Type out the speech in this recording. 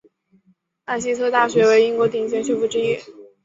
艾希特大学为英国顶尖学府之一。